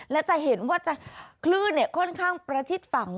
และจะเห็นว่าจะคลื่นเนี่ยค่อนข้างประทิษฐ์ฝั่ง